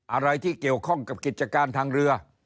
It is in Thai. อะไรที่เกี่ยวข้องกับกิจการทางเรือ